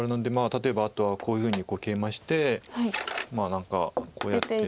例えばあとはこういうふうにケイマして何かこうやって。